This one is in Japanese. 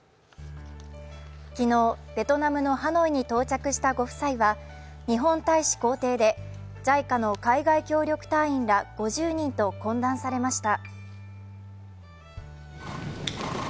昨日、ベトナムのハノイに到着したご夫妻は、日本大使公邸でＪＩＣＡの海外協力隊員ら５０人と懇談されました。